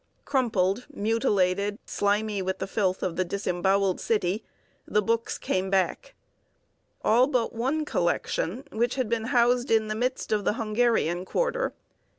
Crumpled, mutilated, slimy with the filth of the disemboweled city, the books came back all but one collection, which had been housed in the midst of the Hungarian quarter.